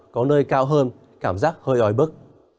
có nơi cao hơn cảm giác hơi ói bức